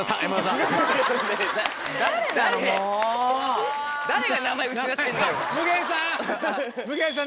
誰が誰の名前失ってんの。